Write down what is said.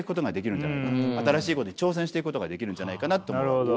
新しいことに挑戦していくことができるんじゃないかなと思って。